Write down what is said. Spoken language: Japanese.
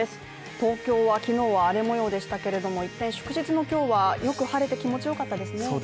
東京は昨日は荒れ模様でしたけれども一転、祝日の今日はよく晴れて気持ちよかったですね